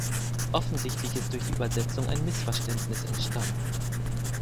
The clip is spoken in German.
Offensichtlich ist durch die Übersetzung ein Missverständnis entstanden.